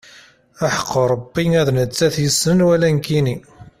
Aḥeqq Rebbi ar d nettat i yessnen wala nekki.